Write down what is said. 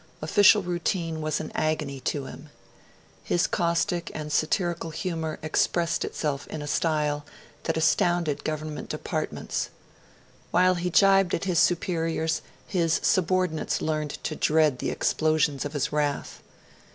Official routine was an agony to him. His caustic and satirical humour expressed itself in a style that astounded government departments. While he jibed at his superiors, his subordinates learned to dread the explosions of his wrath.